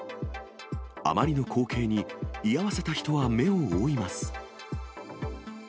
あまりの光景に、居合わせた人は目を覆います。